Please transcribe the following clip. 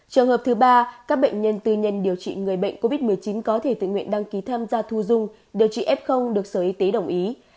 trường hợp thứ ba các bệnh nhân tư nhân điều trị người bệnh covid một mươi chín có thể tự nguyện đăng ký tham gia thu dung điều trị f được sở y tế đồng ý